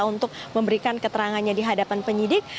untuk memberikan keterangannya dihadapan penyidik